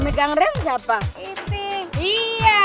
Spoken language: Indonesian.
itu ada busa